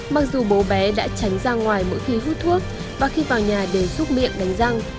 mặc dù bố bé đã tránh ra ngoài mỗi khi hút thuốc và khi vào nhà để giúp miệng đánh răng